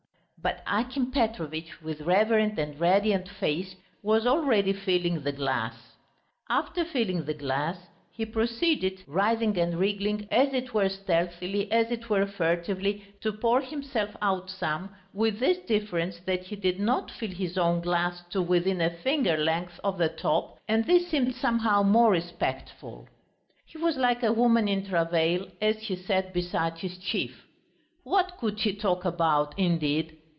But Akim Petrovitch, with reverent and radiant face, was already filling the glass. After filling the glass, he proceeded, writhing and wriggling, as it were stealthily, as it were furtively, to pour himself out some, with this difference, that he did not fill his own glass to within a finger length of the top, and this seemed somehow more respectful. He was like a woman in travail as he sat beside his chief. What could he talk about, indeed?